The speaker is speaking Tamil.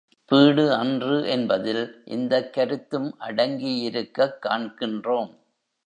பீடு அன்று என்பதில் இந்தக் கருத்தும் அடங்கியிருக்கக் காண்கின்றோம்.